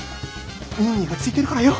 ニーニーがついてるからよ。